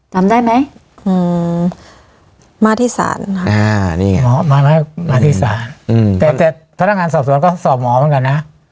จำได้ไหมอืมมาที่ศาลค่ะอ่านี่ไงหมอมาแล้วมาที่ศาลแต่แต่พนักงานสอบสวนก็สอบหมอเหมือนกันนะ